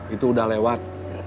itu udah lewat